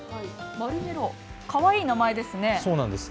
マルメロ、かわいい名前ですね。